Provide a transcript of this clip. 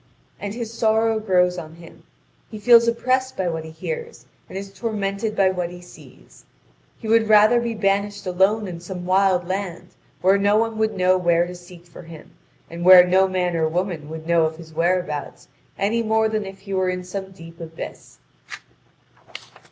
And his sorrow grows on him: he feels oppressed by what he hears, and is tormented by what he sees. He would rather be banished alone in some wild land, where no one would know where to seek for him, and where no man or woman would know of his whereabouts any more than if he were in some deep abyss.